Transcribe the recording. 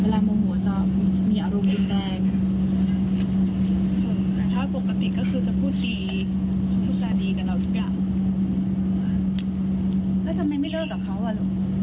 แลก็จะขอยุติแต่ในการขอยุติก็คงจะไม่สวยสักเท่าไหร่